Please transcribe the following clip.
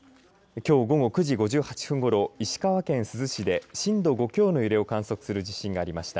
きょう午後９時５８分ごろ石川県珠洲市で震度５強の揺れを観測する地震がありました。